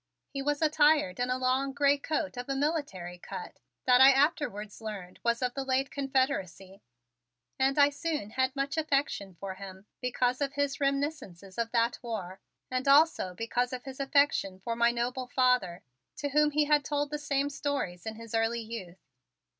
He was attired in a long gray coat of a military cut that I afterwards learned was of the late Confederacy, and I soon had much affection for him because of his reminiscences of that war and also because of his affection for my noble father, to whom he had told the same stories' in his early youth.